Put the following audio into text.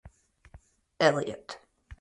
Elliot.